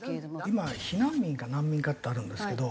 今避難民か難民かってあるんですけど。